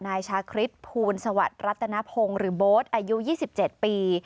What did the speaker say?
นายชาคริสภูลสวัสดิ์รัตนพงศ์หรือโบ๊ทอายุ๒๗ปี